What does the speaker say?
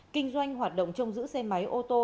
kinh doanh hoạt động trông giữ xe máy ô tô